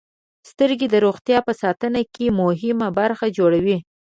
• سترګې د روغتیا په ساتنه کې مهمه برخه جوړوي.